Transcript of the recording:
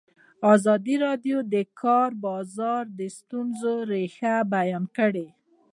ازادي راډیو د د کار بازار د ستونزو رېښه بیان کړې.